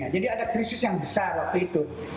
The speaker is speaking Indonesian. jadi ada krisis yang besar waktu itu